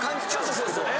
そうですよね。